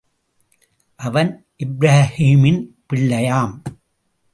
அவன் இப்ரஹீமின் பிள்ளையாம்.